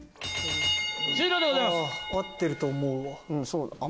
合ってると思うわ。